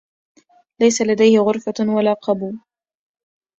ليس لديه غرفة ولا قبو.